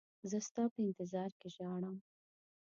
زه ستا په انتظار کې ژاړم.